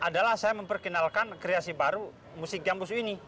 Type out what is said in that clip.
adalah saya memperkenalkan kreasi baru musik gambusu ini